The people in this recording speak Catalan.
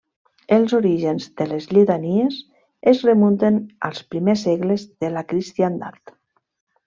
Els orígens de les lletanies es remunten als primers segles de la cristiandat.